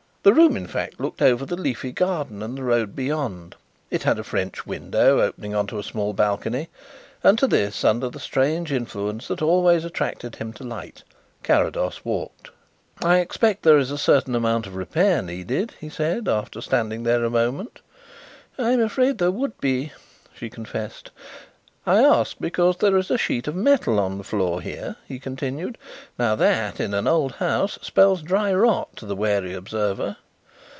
The room, in fact, looked over the leafy garden and the road beyond. It had a French window opening on to a small balcony, and to this, under the strange influence that always attracted him to light, Carrados walked. "I expect that there is a certain amount of repair needed?" he said, after standing there a moment. "I am afraid there would be," she confessed. "I ask because there is a sheet of metal on the floor here," he continued. "Now that, in an old house, spells dry rot to the wary observer."